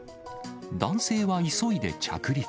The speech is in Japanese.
男性は急いで着陸。